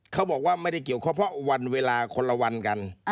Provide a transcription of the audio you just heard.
เขาบอกว่าไม่ได้เกี่ยวข้องเพราะวันเวลาคนละวันกัน